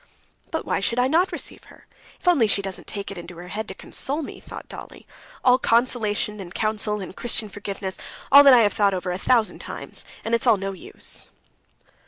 "But why should I not receive her? If only she doesn't take it into her head to console me!" thought Dolly. "All consolation and counsel and Christian forgiveness, all that I have thought over a thousand times, and it's all no use."